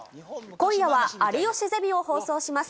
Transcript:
今夜は有吉ゼミを放送します。